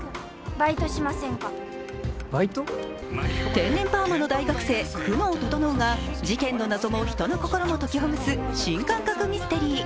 天然パーマの大学生・久能整が事件の謎も人の心もほきとぐす新感覚ミステリー。